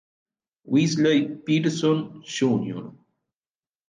Wesley Person Jr.